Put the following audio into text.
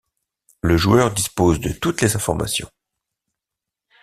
Le joueur dispose de toutes les informations.